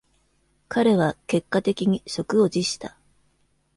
彼は結果的に職を辞した。